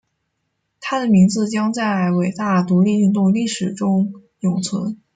他的名字将在伟大独立运动历史中永存。